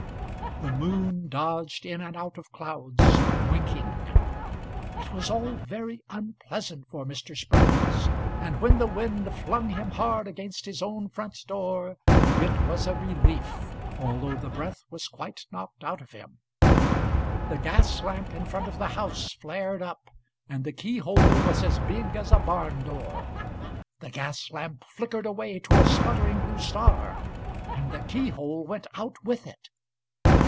The moon dodged in and out of clouds, winking.It was all very unpleasant for Mr. Spruggins, And when the wind flung him hard against his own front doorIt was a relief, Although the breath was quite knocked out of him. The gas lamp in front of the house flared up, And the keyhole was as big as a barn door; The gas lamp flickered away to a sputtering blue star, And the keyhole went out with it.